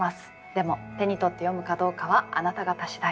でも手に取って読むかどうかはあなた方次第。